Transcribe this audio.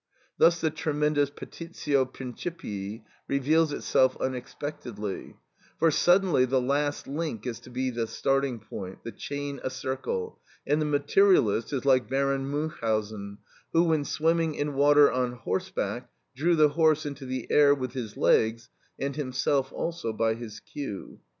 Thus the tremendous petitio principii reveals itself unexpectedly; for suddenly the last link is seen to be the starting point, the chain a circle, and the materialist is like Baron Münchausen who, when swimming in water on horseback, drew the horse into the air with his legs, and himself also by his cue.